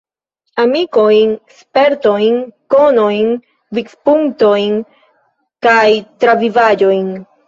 Amikojn, spertojn, konojn, vidpunktojn kaj travivaĵojn.